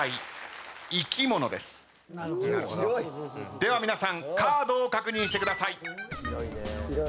では皆さんカードを確認してください。